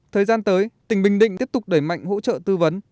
thời gian tới tỉnh bình định tiếp tục đẩy mạnh hỗ trợ tư vấn